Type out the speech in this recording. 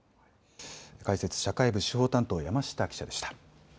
解説、社会部司法担当の山下記者でした。